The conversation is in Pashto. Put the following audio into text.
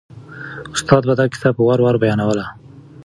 استاد به دا کیسه په وار وار بیانوله.